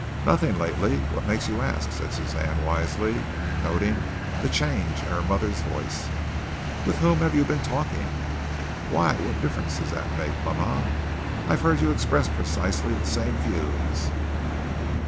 "Nothing lately. What makes you ask?" said Suzanne wisely, noting the change in her mother's voice. "With whom have you been talking?" "Why, what difference does that make, mama? I've heard you express precisely the same views?"